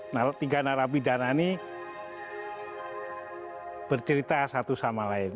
nah tiga narapidana ini bercerita satu sama lain